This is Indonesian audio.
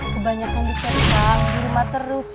kebanyakan dikesan di rumah terus